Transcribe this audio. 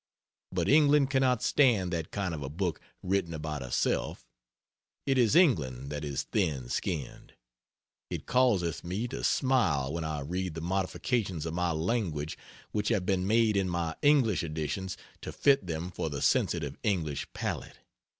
But England cannot stand that kind of a book written about herself. It is England that is thin skinned. It causeth me to smile when I read the modifications of my language which have been made in my English editions to fit them for the sensitive English palate.